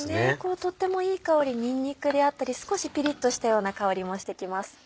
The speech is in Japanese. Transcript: とってもいい香りにんにくであったり少しピリっとしたような香りもしてきます。